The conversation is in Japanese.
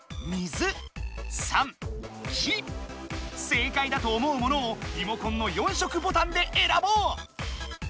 正解だと思うものをリモコンの４色ボタンでえらぼう！